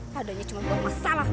padanya cuma buang masalah